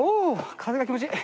風が気持ちいい。